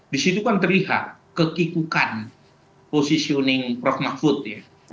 di situ kan terlihat kekikukan posisioning prof mahfud ya